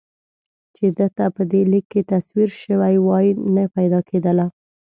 چې ده ته په دې لیک کې تصویر شوې وای نه پیدا کېدله.